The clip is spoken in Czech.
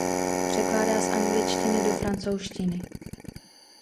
Překládá z angličtiny a francouzštiny.